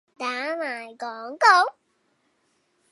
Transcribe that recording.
打埋廣告？